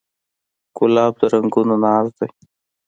ګلاب د رنګونو ناز دی.